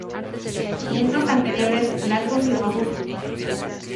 Miembros anteriores largos y robustos.